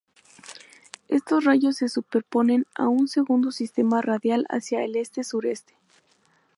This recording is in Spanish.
Estos rayos se superponen a un segundo sistema radial hacia el este-sureste.